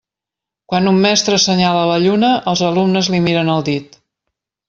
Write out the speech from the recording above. Quan un mestre assenyala la lluna, els alumnes li miren el dit.